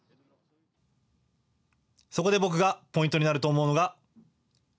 そこで僕がポイントになると思うのが。